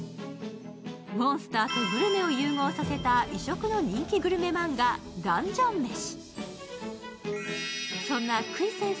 モンスターとグルメを融合させた異色の人気グルメマンガ「ダンジョン飯」。